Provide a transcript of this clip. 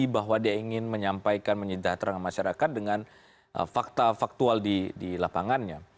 bahwa dia ingin menyampaikan menyedeh terangkan masyarakat dengan fakta faktual di lapangannya